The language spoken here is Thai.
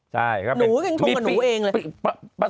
หนุกับหนูเองเลย